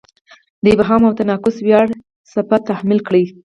د ابهام او تناقض ویلو څپه تحمیل کړې.